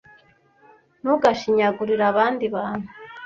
Ntugashinyagure abandi bantu.